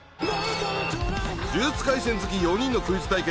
「呪術廻戦」好き４人のクイズ対決